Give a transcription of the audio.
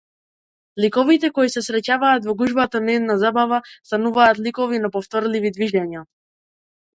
Ликовите кои се среќаваат во гужвата на една забава стануваат ликови на повторливи движења.